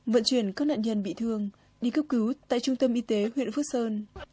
vận chuyển các nạn nhân bị thương đi cấp cứu tại trung tâm y tế huyện phước sơn